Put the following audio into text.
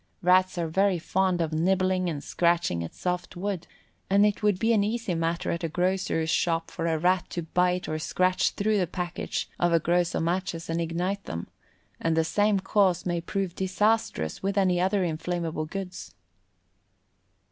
Rats are very fond of nibbling and scratching at soft wood, and it would be an easy matter at a grocer's shop for a Rat to bite or scratch through the package of a gross of matches and ignite them, and the same cause may prove disastrous with any other inflammable goods.